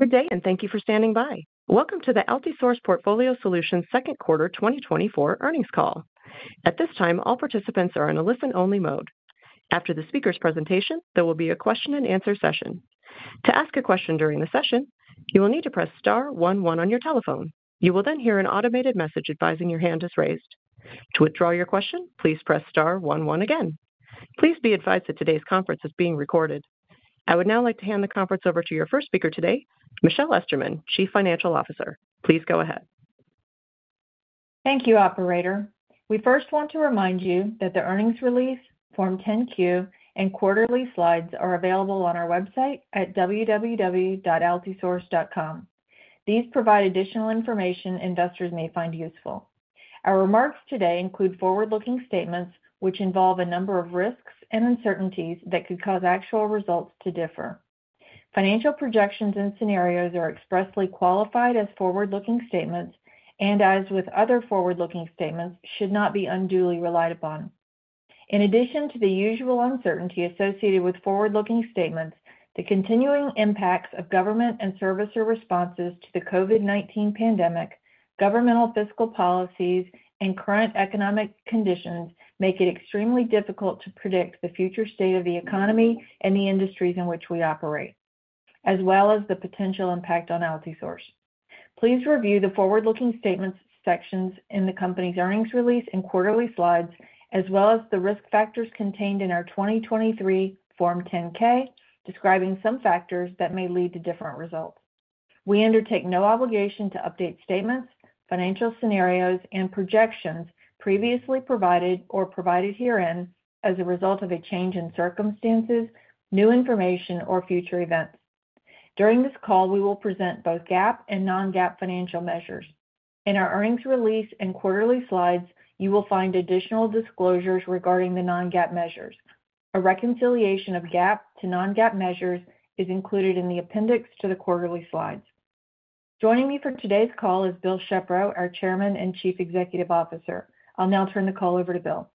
Good day, and thank you for standing by. Welcome to the Altisource Portfolio Solutions Second Quarter 2024 earnings call. At this time, all participants are in a listen-only mode. After the speaker's presentation, there will be a question-and-answer session. To ask a question during the session, you will need to press star one one on your telephone. You will then hear an automated message advising your hand is raised. To withdraw your question, please press star one one again. Please be advised that today's conference is being recorded. I would now like to hand the conference over to your first speaker today, Michelle Esterman, Chief Financial Officer. Please go ahead. Thank you, Operator. We first want to remind you that the earnings release, Form 10-Q, and quarterly slides are available on our website at www.altisource.com. These provide additional information investors may find useful. Our remarks today include forward-looking statements, which involve a number of risks and uncertainties that could cause actual results to differ. Financial projections and scenarios are expressly qualified as forward-looking statements, and, as with other forward-looking statements, should not be unduly relied upon. In addition to the usual uncertainty associated with forward-looking statements, the continuing impacts of government and servicer responses to the COVID-19 pandemic, governmental fiscal policies, and current economic conditions make it extremely difficult to predict the future state of the economy and the industries in which we operate, as well as the potential impact on Altisource. Please review the forward-looking statements sections in the company's earnings release and quarterly slides, as well as the risk factors contained in our 2023 Form 10-K, describing some factors that may lead to different results. We undertake no obligation to update statements, financial scenarios, and projections previously provided or provided herein as a result of a change in circumstances, new information, or future events. During this call, we will present both GAAP and non-GAAP financial measures. In our earnings release and quarterly slides, you will find additional disclosures regarding the non-GAAP measures. A reconciliation of GAAP to non-GAAP measures is included in the appendix to the quarterly slides. Joining me for today's call is Bill Shepro, our Chairman and Chief Executive Officer. I'll now turn the call over to Bill.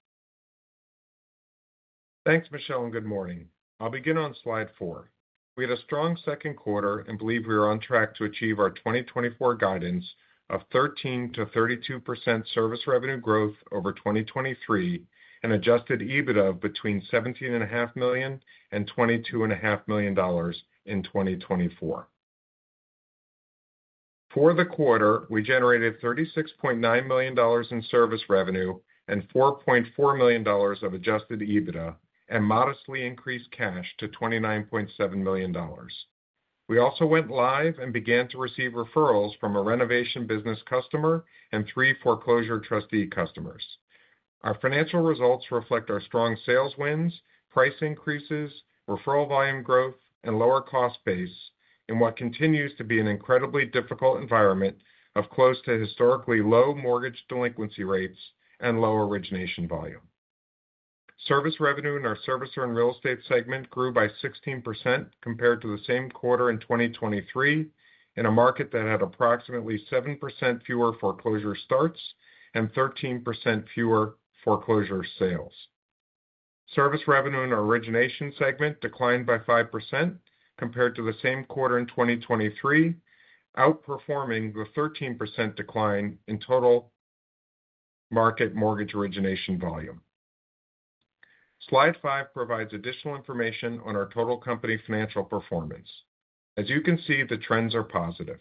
Thanks, Michelle, and good morning. I'll begin on slide 4. We had a strong second quarter and believe we are on track to achieve our 2024 guidance of 13%-32% service revenue growth over 2023 and Adjusted EBITDA between $17.5 million and $22.5 million in 2024. For the quarter, we generated $36.9 million in service revenue and $4.4 million of Adjusted EBITDA and modestly increased cash to $29.7 million. We also went live and began to receive referrals from a renovation business customer and three foreclosure trustee customers. Our financial results reflect our strong sales wins, price increases, referral volume growth, and lower cost base in what continues to be an incredibly difficult environment of close to historically low mortgage delinquency rates and low origination volume. Service revenue in our servicer and real estate segment grew by 16% compared to the same quarter in 2023, in a market that had approximately 7% fewer foreclosure starts and 13% fewer foreclosure sales. Service revenue in our origination segment declined by 5% compared to the same quarter in 2023, outperforming the 13% decline in total market mortgage origination volume. Slide five provides additional information on our total company financial performance. As you can see, the trends are positive.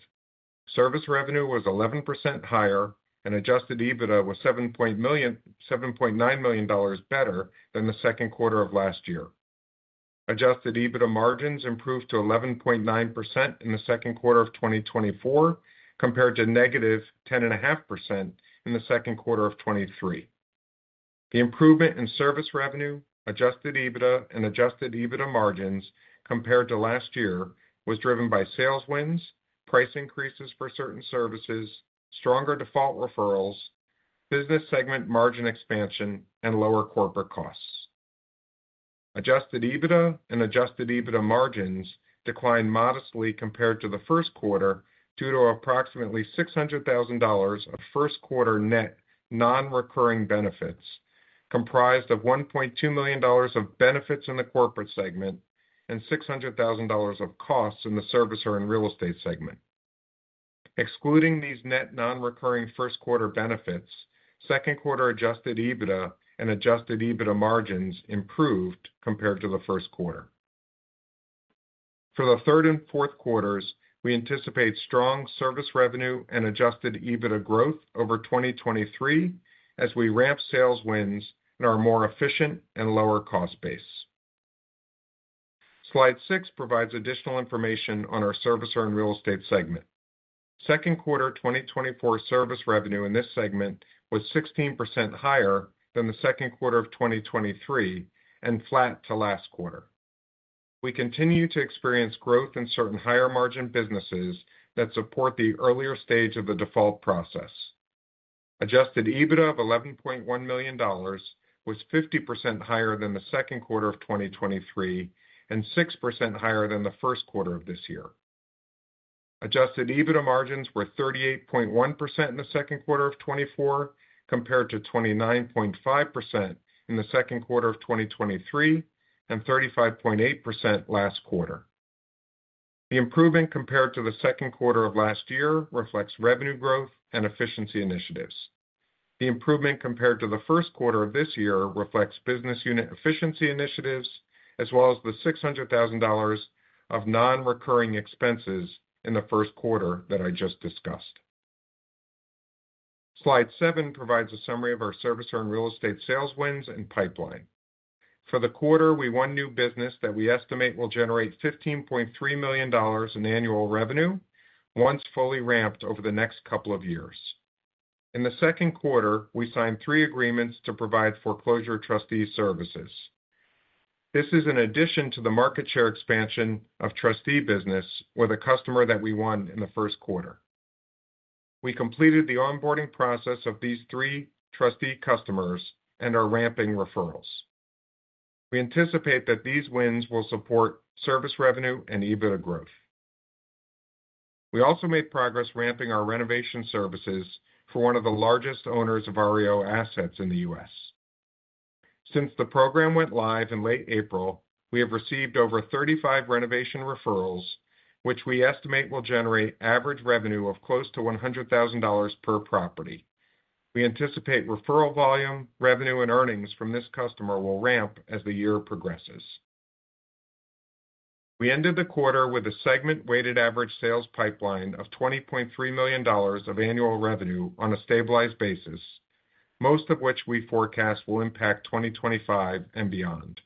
Service revenue was 11% higher, and adjusted EBITDA was $7.9 million better than the second quarter of last year. Adjusted EBITDA margins improved to 11.9% in the second quarter of 2024 compared to negative 10.5% in the second quarter of 2023. The improvement in service revenue, adjusted EBITDA, and adjusted EBITDA margins compared to last year was driven by sales wins, price increases for certain services, stronger default referrals, business segment margin expansion, and lower corporate costs. Adjusted EBITDA and adjusted EBITDA margins declined modestly compared to the first quarter due to approximately $600,000 of first quarter net non-recurring benefits comprised of $1.2 million of benefits in the corporate segment and $600,000 of costs in the servicer and real estate segment. Excluding these net non-recurring first quarter benefits, second quarter adjusted EBITDA and adjusted EBITDA margins improved compared to the first quarter. For the third and fourth quarters, we anticipate strong service revenue and adjusted EBITDA growth over 2023 as we ramp sales wins and are more efficient and lower cost base. Slide six provides additional information on our servicer and real estate segment. Second quarter 2024 service revenue in this segment was 16% higher than the second quarter of 2023 and flat to last quarter. We continue to experience growth in certain higher margin businesses that support the earlier stage of the default process. Adjusted EBITDA of $11.1 million was 50% higher than the second quarter of 2023 and 6% higher than the first quarter of this year. Adjusted EBITDA margins were 38.1% in the second quarter of 2024 compared to 29.5% in the second quarter of 2023 and 35.8% last quarter. The improvement compared to the second quarter of last year reflects revenue growth and efficiency initiatives. The improvement compared to the first quarter of this year reflects business unit efficiency initiatives, as well as the $600,000 of non-recurring expenses in the first quarter that I just discussed. Slide seven provides a summary of our servicer and real estate sales wins and pipeline. For the quarter, we won new business that we estimate will generate $15.3 million in annual revenue once fully ramped over the next couple of years. In the second quarter, we signed three agreements to provide foreclosure trustee services. This is in addition to the market share expansion of trustee business with a customer that we won in the first quarter. We completed the onboarding process of these three trustee customers and are ramping referrals. We anticipate that these wins will support service revenue and EBITDA growth. We also made progress ramping our renovation services for one of the largest owners of REO assets in the U.S. Since the program went live in late April, we have received over 35 renovation referrals, which we estimate will generate average revenue of close to $100,000 per property. We anticipate referral volume, revenue, and earnings from this customer will ramp as the year progresses. We ended the quarter with a segment-weighted average sales pipeline of $20.3 million of annual revenue on a stabilized basis, most of which we forecast will impact 2025 and beyond.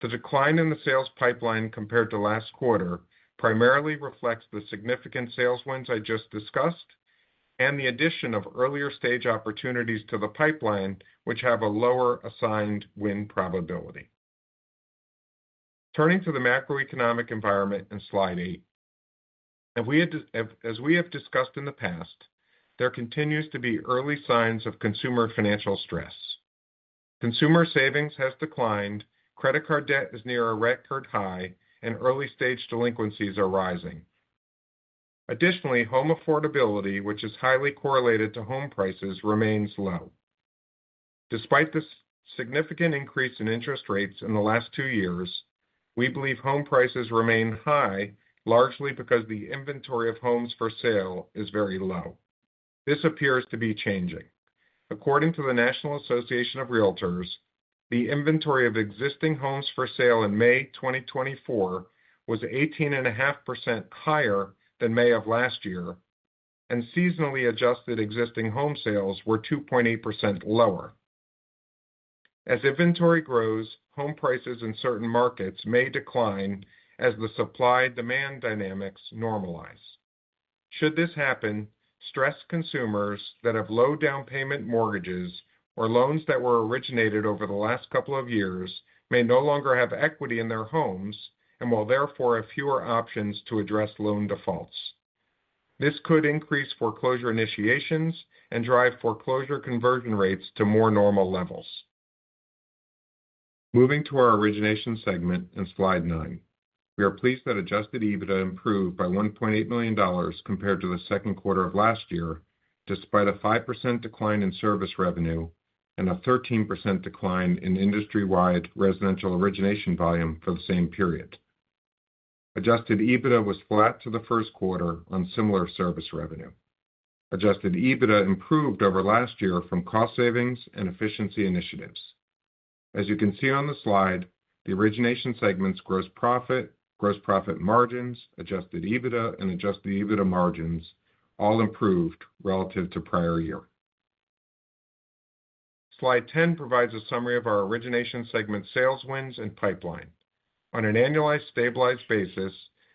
The decline in the sales pipeline compared to last quarter primarily reflects the significant sales wins I just discussed and the addition of earlier stage opportunities to the pipeline, which have a lower assigned win probability. Turning to the macroeconomic environment in slide eight, as we have discussed in the past, there continues to be early signs of consumer financial stress. Consumer savings have declined, credit card debt is near a record high, and early stage delinquencies are rising. Additionally, home affordability, which is highly correlated to home prices, remains low. Despite the significant increase in interest rates in the last two years, we believe home prices remain high, largely because the inventory of homes for sale is very low. This appears to be changing. According to the National Association of Realtors, the inventory of existing homes for sale in May 2024 was 18.5% higher than May of last year, and seasonally adjusted existing home sales were 2.8% lower. As inventory grows, home prices in certain markets may decline as the supply-demand dynamics normalize. Should this happen, stressed consumers that have low-down payment mortgages or loans that were originated over the last couple of years may no longer have equity in their homes and will therefore have fewer options to address loan defaults. This could increase foreclosure initiations and drive foreclosure conversion rates to more normal levels. Moving to our origination segment in slide 9, we are pleased that adjusted EBITDA improved by $1.8 million compared to the second quarter of last year, despite a 5% decline in service revenue and a 13% decline in industry-wide residential origination volume for the same period. Adjusted EBITDA was flat to the first quarter on similar service revenue. Adjusted EBITDA improved over last year from cost savings and efficiency initiatives. As you can see on the slide, the origination segment's gross profit, gross profit margins, adjusted EBITDA, and adjusted EBITDA margins all improved relative to prior year. Slide 10 provides a summary of our origination segment sales wins and pipeline. On an annualized stabilized basis,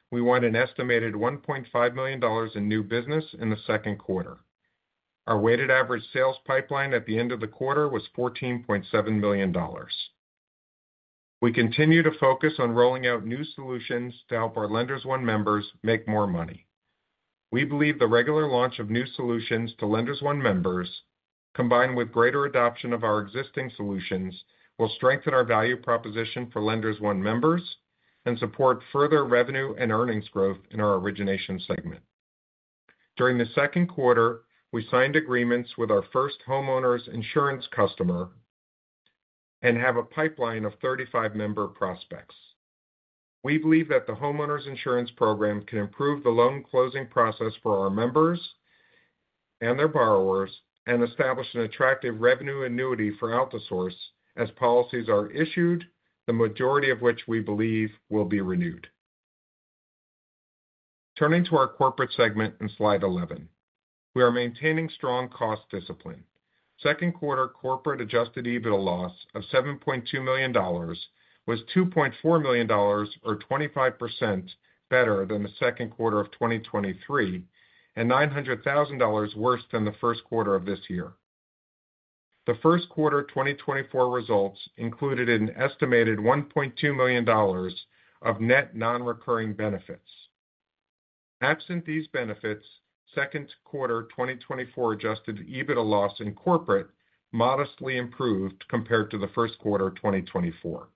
we won an estimated $1.5 million in new business in the second quarter. Our weighted average sales pipeline at the end of the quarter was $14.7 million. We continue to focus on rolling out new solutions to help our Lenders One members make more money. We believe the regular launch of new solutions to Lenders One members, combined with greater adoption of our existing solutions, will strengthen our value proposition for Lenders One members and support further revenue and earnings growth in our origination segment. During the second quarter, we signed agreements with our first homeowners insurance customer and have a pipeline of 35 member prospects. We believe that the homeowners insurance program can improve the loan closing process for our members and their borrowers and establish an attractive revenue annuity for Altisource as policies are issued, the majority of which we believe will be renewed. Turning to our corporate segment in slide 11, we are maintaining strong cost discipline. Second quarter corporate adjusted EBITDA loss of $7.2 million was $2.4 million, or 25% better than the second quarter of 2023, and $900,000 worse than the first quarter of this year. The first quarter 2024 results included an estimated $1.2 million of net non-recurring benefits. Absent these benefits, second quarter 2024 adjusted EBITDA loss in corporate modestly improved compared to the first quarter of 2024.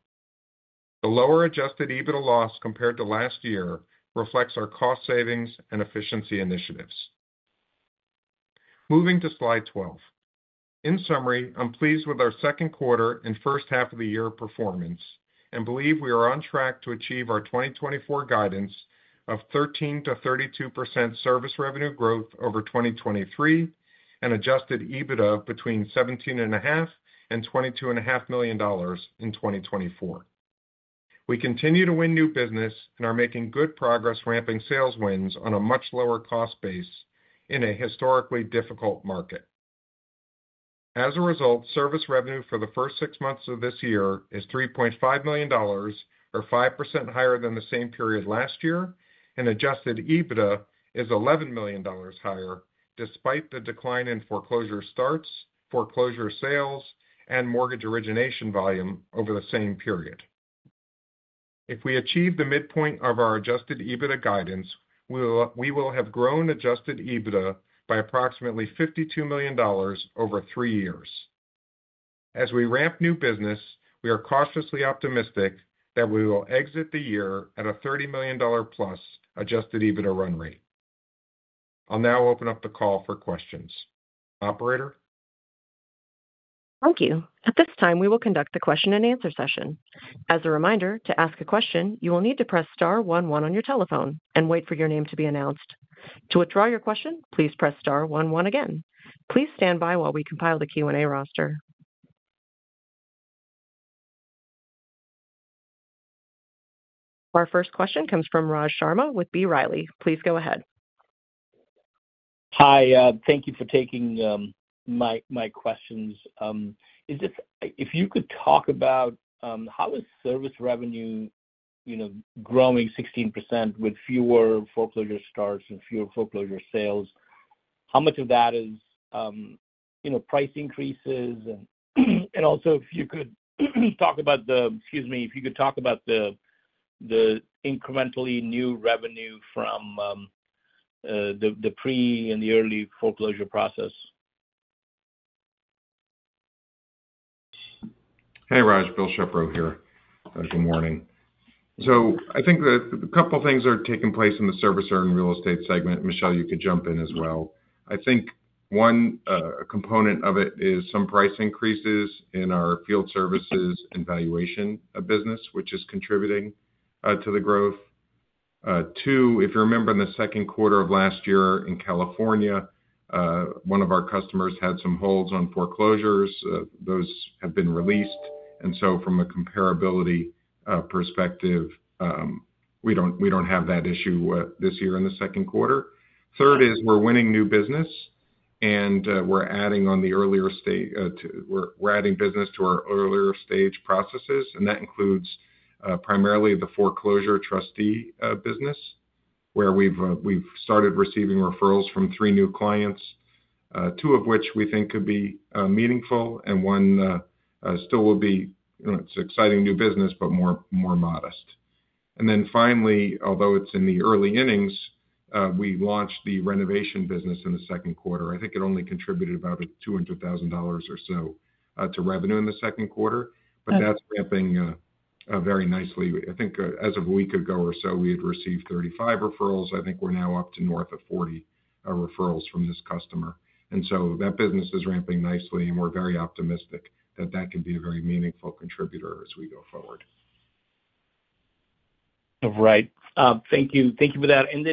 The lower adjusted EBITDA loss compared to last year reflects our cost savings and efficiency initiatives. Moving to slide 12. In summary, I'm pleased with our second quarter and first half of the year performance and believe we are on track to achieve our 2024 guidance of 13%-32% service revenue growth over 2023 and adjusted EBITDA between $17.5 million and $22.5 million in 2024. We continue to win new business and are making good progress ramping sales wins on a much lower cost base in a historically difficult market. As a result, service revenue for the first six months of this year is $3.5 million, or 5% higher than the same period last year, and Adjusted EBITDA is $11 million higher, despite the decline in foreclosure starts, foreclosure sales, and mortgage origination volume over the same period. If we achieve the midpoint of our Adjusted EBITDA guidance, we will have grown Adjusted EBITDA by approximately $52 million over three years. As we ramp new business, we are cautiously optimistic that we will exit the year at a $30 million plus Adjusted EBITDA run rate. I'll now open up the call for questions. Operator. Thank you. At this time, we will conduct the question and answer session. As a reminder, to ask a question, you will need to press star 11 on your telephone and wait for your name to be announced. To withdraw your question, please press star 11 again. Please stand by while we compile the Q&A roster. Our first question comes from Raj Sharma with B. Riley. Please go ahead. Hi. Thank you for taking my questions. If you could talk about how is service revenue growing 16% with fewer foreclosure starts and fewer foreclosure sales, how much of that is price increases? And also, if you could talk about the, excuse me, if you could talk about the incrementally new revenue from the pre and the early foreclosure process. Hey, Raj. Bill Shepro here. Good morning. So I think a couple of things are taking place in the servicer and real estate segment. Michelle, you could jump in as well. I think one component of it is some price increases in our field services and valuation of business, which is contributing to the growth. Two, if you remember in the second quarter of last year in California, one of our customers had some holds on foreclosures. Those have been released. And so from a comparability perspective, we don't have that issue this year in the second quarter. Third is we're winning new business, and we're adding on the earlier stage, we're adding business to our earlier stage processes. And that includes primarily the foreclosure trustee business, where we've started receiving referrals from three new clients, two of which we think could be meaningful, and one still will be, it's exciting new business, but more modest. And then finally, although it's in the early innings, we launched the renovation business in the second quarter. I think it only contributed about $200,000 or so to revenue in the second quarter, but that's ramping very nicely. I think as of a week ago or so, we had received 35 referrals. I think we're now up to north of 40 referrals from this customer. And so that business is ramping nicely, and we're very optimistic that that can be a very meaningful contributor as we go forward. Right. Thank you. Thank you for that. And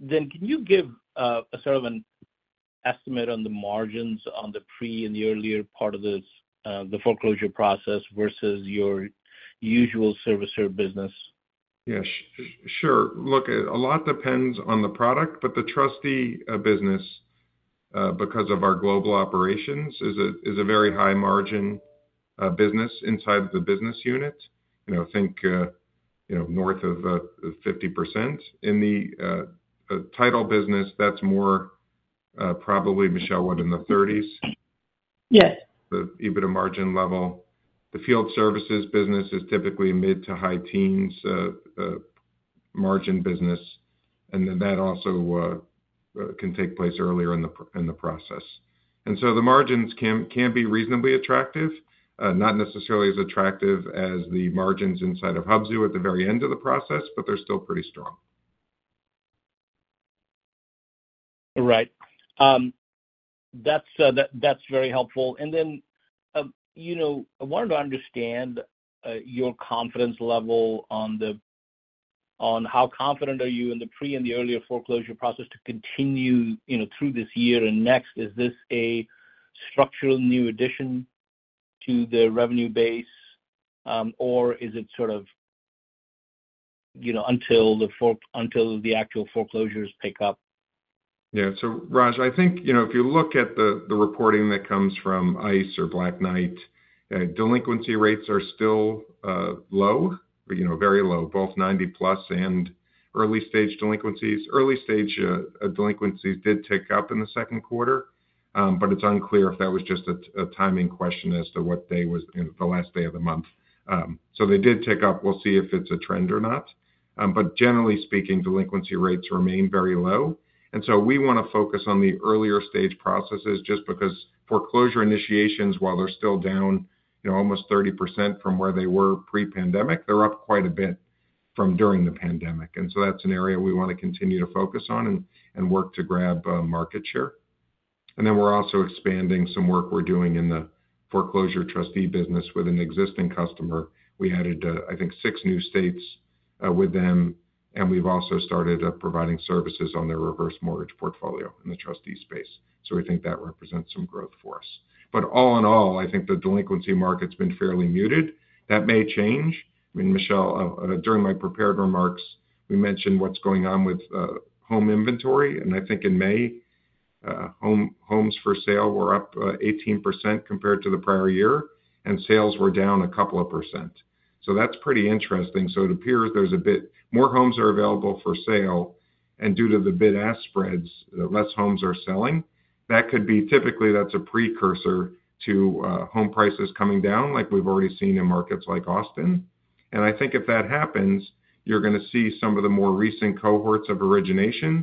then can you give a sort of an estimate on the margins on the pre and the earlier part of the foreclosure process versus your usual servicer business? Yes. Sure. Look, a lot depends on the product, but the trustee business, because of our global operations, is a very high margin business inside the business unit. Think north of 50%. In the title business, that's more probably, Michelle, what, in the 30s? Yes. The EBITDA margin level. The field services business is typically mid- to high-teens margin business, and then that also can take place earlier in the process. And so the margins can be reasonably attractive, not necessarily as attractive as the margins inside of Hubzu at the very end of the process, but they're still pretty strong. Right. That's very helpful. And then I wanted to understand your confidence level on how confident are you in the pre- and the earlier foreclosure process to continue through this year and next? Is this a structural new addition to the revenue base, or is it sort of until the actual foreclosures pick up? Yeah. So, Raj, I think if you look at the reporting that comes from ICE or Black Knight, delinquency rates are still low, very low, both 90+ and early-stage delinquencies. Early-stage delinquencies did tick up in the second quarter, but it's unclear if that was just a timing question as to what day was the last day of the month. So they did tick up. We'll see if it's a trend or not. But generally speaking, delinquency rates remain very low. And so we want to focus on the earlier stage processes just because foreclosure initiations, while they're still down almost 30% from where they were pre-pandemic, they're up quite a bit from during the pandemic. And so that's an area we want to continue to focus on and work to grab market share. And then we're also expanding some work we're doing in the foreclosure trustee business with an existing customer. We added, I think, 6 new states with them, and we've also started providing services on their reverse mortgage portfolio in the trustee space. So we think that represents some growth for us. But all in all, I think the delinquency market's been fairly muted. That may change. I mean, Michelle, during my prepared remarks, we mentioned what's going on with home inventory. And I think in May, homes for sale were up 18% compared to the prior year, and sales were down a couple of percent. So that's pretty interesting. So it appears there's a bit more homes that are available for sale, and due to the bid-ask spreads, less homes are selling. That could be typically. That's a precursor to home prices coming down, like we've already seen in markets like Austin. I think if that happens, you're going to see some of the more recent cohorts of originations,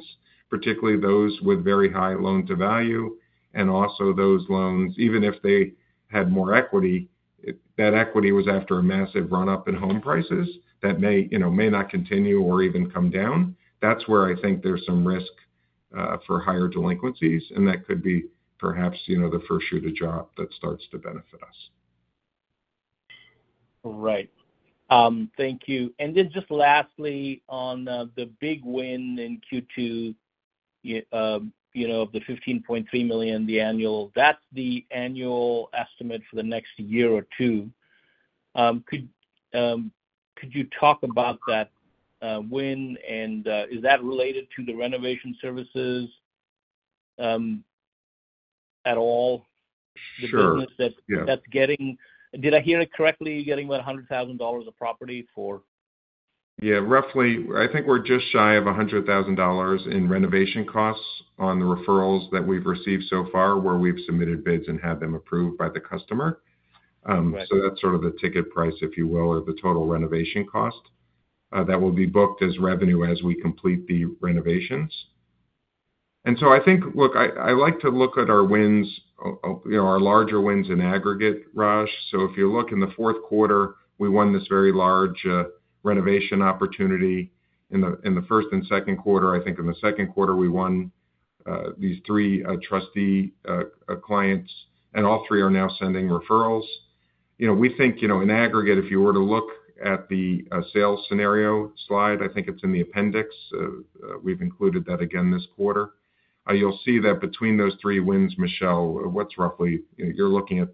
particularly those with very high loan-to-value, and also those loans, even if they had more equity, that equity was after a massive run-up in home prices. That may not continue or even come down. That's where I think there's some risk for higher delinquencies, and that could be perhaps the first shoe to drop that starts to benefit us. Right. Thank you. Then just lastly, on the big win in Q2 of the $15.3 million, the annual, that's the annual estimate for the next year or two. Could you talk about that win? Is that related to the renovation services at all? The business that's getting-did I hear it correctly? You're getting about $100,000 of property for? Yeah. Roughly, I think we're just shy of $100,000 in renovation costs on the referrals that we've received so far, where we've submitted bids and had them approved by the customer. So that's sort of the ticket price, if you will, or the total renovation cost that will be booked as revenue as we complete the renovations. And so I think, look, I like to look at our wins, our larger wins in aggregate, Raj. So if you look in the fourth quarter, we won this very large renovation opportunity. In the first and second quarter, I think in the second quarter, we won these three trustee clients, and all three are now sending referrals. We think in aggregate, if you were to look at the sales scenario slide, I think it's in the appendix. We've included that again this quarter. You'll see that between those three wins, Michelle, what's roughly, you're looking at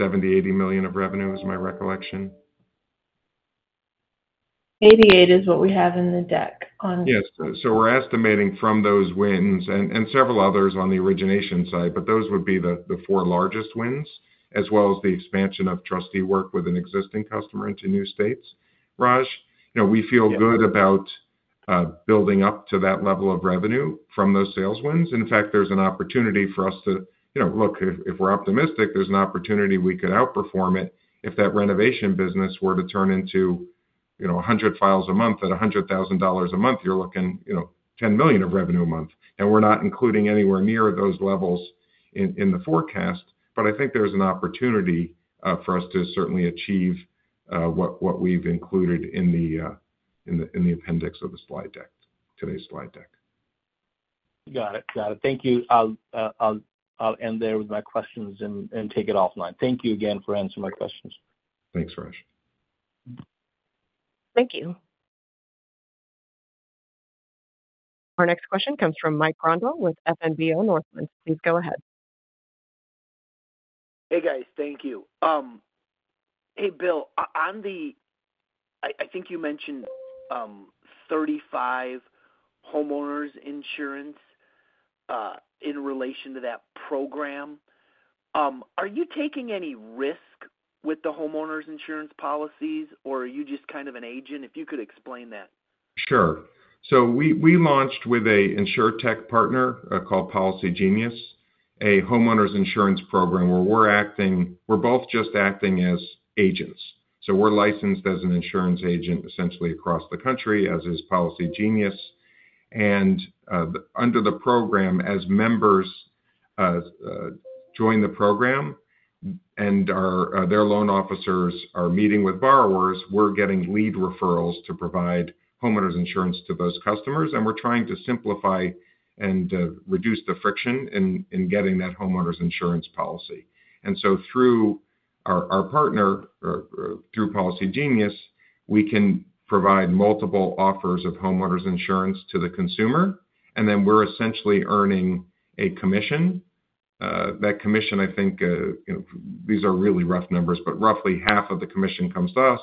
$70-$80 million of revenue, is my recollection. $88 million is what we have in the deck on. Yes. So we're estimating from those wins and several others on the origination side, but those would be the four largest wins, as well as the expansion of trustee work with an existing customer into new states. Raj, we feel good about building up to that level of revenue from those sales wins. In fact, there's an opportunity for us to look. If we're optimistic, there's an opportunity we could outperform it. If that renovation business were to turn into 100 files a month at $100,000 a month, you're looking at $10 million of revenue a month. We're not including anywhere near those levels in the forecast, but I think there's an opportunity for us to certainly achieve what we've included in the appendix of the slide deck, today's slide deck. Got it. Got it. Thank you. I'll end there with my questions and take it offline. Thank you again for answering my questions. Thanks, Raj. Thank you. Our next question comes from Mike Grondahl with Northland Securities. Please go ahead. Hey, guys. Thank you. Hey, Bill. I think you mentioned 35 homeowners insurance in relation to that program. Are you taking any risk with the homeowners insurance policies, or are you just kind of an agent? If you could explain that. Sure. So we launched with an insurtech partner called Policygenius, a homeowners insurance program where we're acting—we're both just acting as agents. So we're licensed as an insurance agent, essentially, across the country, as is Policygenius. And under the program, as members join the program and their loan officers are meeting with borrowers, we're getting lead referrals to provide homeowners insurance to those customers. And we're trying to simplify and reduce the friction in getting that homeowners insurance policy. And so through our partner, through Policygenius, we can provide multiple offers of homeowners insurance to the consumer, and then we're essentially earning a commission. That commission, I think, these are really rough numbers, but roughly half of the commission comes to us,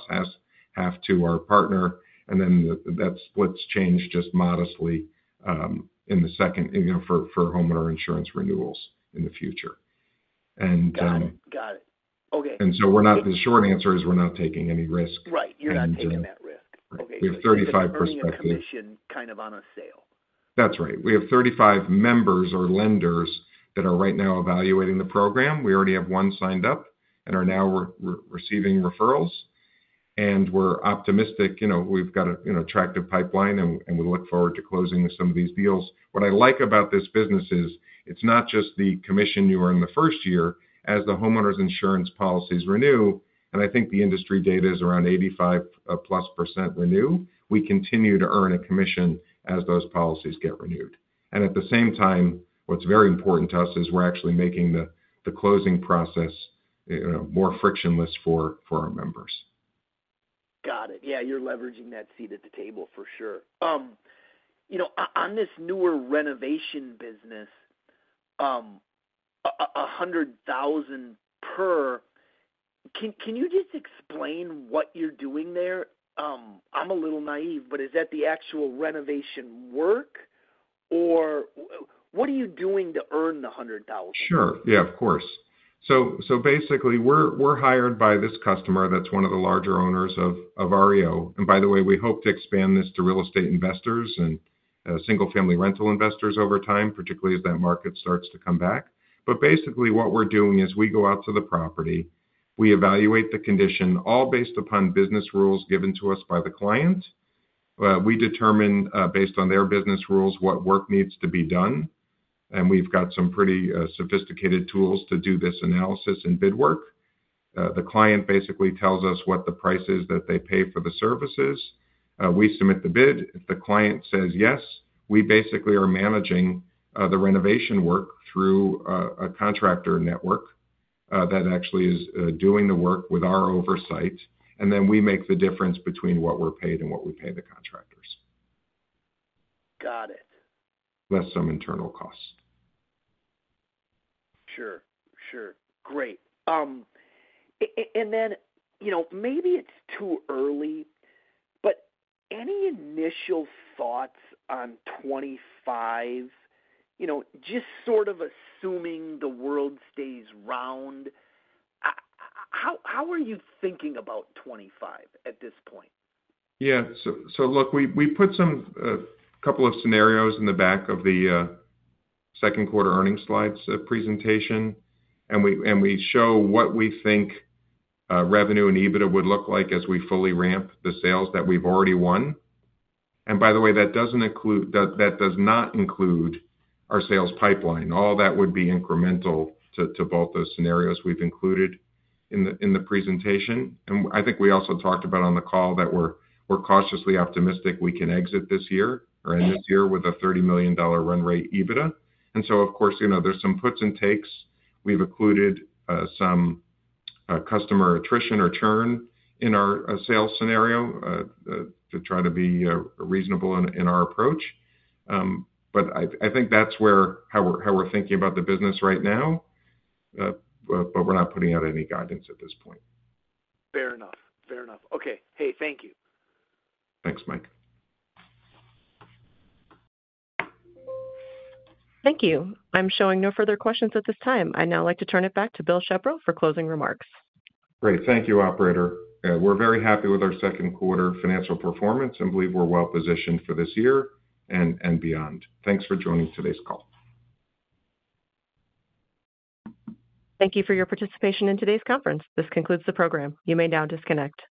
half to our partner, and then that splits change just modestly in the second for homeowner insurance renewals in the future. Got it. Got it. Okay. And so the short answer is we're not taking any risk. Right. You're not taking that risk. Okay. So we have 35 prospective. So you're getting a commission kind of on a sale. That's right. We have 35 members or lenders that are right now evaluating the program. We already have one signed up and are now receiving referrals. And we're optimistic. We've got an attractive pipeline, and we look forward to closing some of these deals. What I like about this business is it's not just the commission you earn the first year. As the homeowners insurance policies renew, and I think the industry data is around 85%+ renew, we continue to earn a commission as those policies get renewed. And at the same time, what's very important to us is we're actually making the closing process more frictionless for our members. Got it. Yeah. You're leveraging that seat at the table for sure. On this newer renovation business, $100,000 per, can you just explain what you're doing there? I'm a little naive, but is that the actual renovation work, or what are you doing to earn the $100,000? Sure. Yeah, of course. So basically, we're hired by this customer that's one of the larger owners of REO. And by the way, we hope to expand this to real estate investors and single-family rental investors over time, particularly as that market starts to come back. But basically, what we're doing is we go out to the property, we evaluate the condition, all based upon business rules given to us by the client. We determine, based on their business rules, what work needs to be done. And we've got some pretty sophisticated tools to do this analysis and bid work. The client basically tells us what the price is that they pay for the services. We submit the bid. If the client says yes, we basically are managing the renovation work through a contractor network that actually is doing the work with our oversight. And then we make the difference between what we're paid and what we pay the contractors. Got it. Less some internal costs. Sure. Sure. Great. And then maybe it's too early, but any initial thoughts on 2025, just sort of assuming the world stays round? How are you thinking about 2025 at this point? Yeah. So look, we put a couple of scenarios in the back of the second quarter earnings slides presentation, and we show what we think revenue and EBITDA would look like as we fully ramp the sales that we've already won. And by the way, that does not include our sales pipeline. All that would be incremental to both those scenarios we've included in the presentation. I think we also talked about on the call that we're cautiously optimistic we can exit this year or end this year with a $30 million run rate EBITDA. So, of course, there's some puts and takes. We've included some customer attrition or churn in our sales scenario to try to be reasonable in our approach. But I think that's how we're thinking about the business right now, but we're not putting out any guidance at this point. Fair enough. Fair enough. Okay. Hey, thank you. Thanks, Mike. Thank you. I'm showing no further questions at this time. I would now like to turn it back to Bill Shepro for closing remarks. Great. Thank you, Operator. We're very happy with our second quarter financial performance and believe we're well-positioned for this year and beyond. Thanks for joining today's call. Thank you for your participation in today's conference. This concludes the program. You may now disconnect.